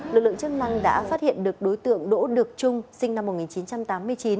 lực lượng chức năng đã phát hiện được đối tượng đỗ được trung sinh năm một nghìn chín trăm tám mươi chín